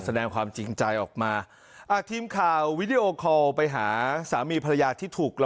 แสดงความจริงใจออกมาอ่าทีมข่าววิดีโอคอลไปหาสามีภรรยาที่ถูก